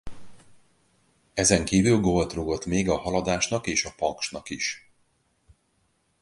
Ezenkívül gólt rúgott még a Haladásnak és a Paksnak is.